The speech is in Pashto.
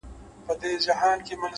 خپل وخت په موخه مصرف کړئ’